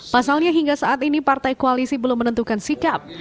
pasalnya hingga saat ini partai koalisi belum menentukan sikap